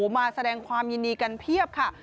มาแสดงความยินดีกันเพียบค่ะ